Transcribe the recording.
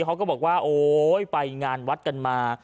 เขาก็บอกว่าโอ๊ยไปงานวัดกันมา